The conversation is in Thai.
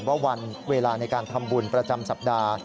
ว่าวันเวลาในการทำบุญประจำสัปดาห์